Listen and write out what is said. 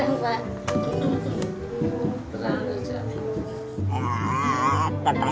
ayamnya lupa nggak dibawa sesek kok